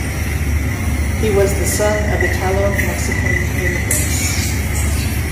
He was the son of Italo-Mexican immigrants.